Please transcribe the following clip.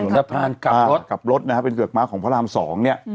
สะพานเกือกมาดาร์ทเหรอบรถและเกือกมาคนพราม๒เนี่ย